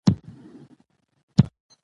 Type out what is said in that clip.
صحي عادتونه د ژوند کیفیت لوړوي.